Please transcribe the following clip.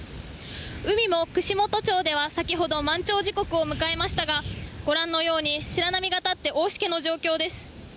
海も串本町では、先ほど、満潮時刻を迎えましたが、ご覧のように、白波が立って、大しけの状況です。